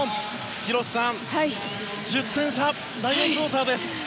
広瀬さん、１０点差で第４クオーターです。